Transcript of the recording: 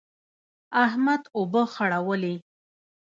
احمد اوبه خړولې.